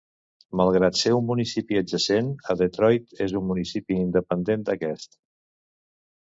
Malgrat ser un municipi adjacent a Detroit és un municipi independent d'aquest.